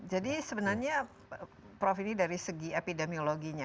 jadi sebenarnya prof ini dari segi epidemiologinya